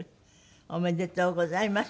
おめでとうございましたね。